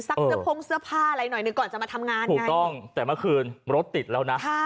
เสื้อพงเสื้อผ้าอะไรหน่อยหนึ่งก่อนจะมาทำงานถูกต้องแต่เมื่อคืนรถติดแล้วนะ